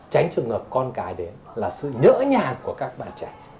tránh trường hợp con cái đến là sự nhỡ nhà của các bạn trẻ